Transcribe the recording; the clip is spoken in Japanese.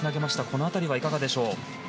この辺りはいかがでしょう？